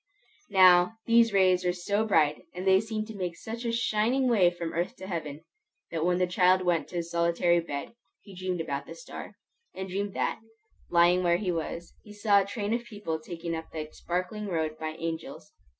Now, these rays were so bright, and they seemed to make such a shining way from earth to heaven, that when the child went to his solitary bed, he dreamed about the star; and dreamed that, lying where he was, he saw a train of people taken up that sparkling road by angels.